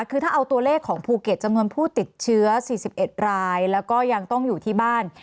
คือถ้าเอาตัวเลขของภูเก็ตจำนวนผู้ติดเชื้อ๔๑รายแล้วก็ยังต้องอยู่ที่บ้าน